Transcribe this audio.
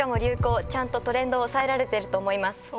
ちゃんとトレンドを押さえられてると思います。